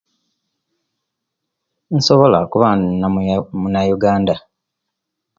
Nsobola kuba ndi munayuganda.